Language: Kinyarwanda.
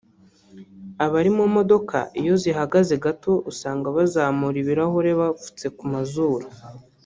abari mu modoka iyo zihagaze gato usanga bazamura ibirahure bapfutse ku mazuru